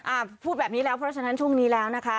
พูดแบบนี้แล้วเพราะฉะนั้นช่วงนี้แล้วนะคะ